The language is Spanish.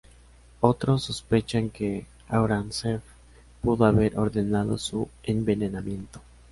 Otros sospechan que Aurangzeb pudo haber ordenado su envenenamiento.